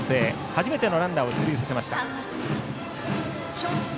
初めてのランナーを出塁させました。